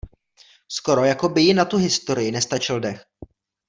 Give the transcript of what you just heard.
Skoro jako by jí na tu historii nestačil dech.